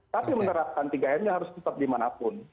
tapi menerapkan tiga m nya harus tetap dimanapun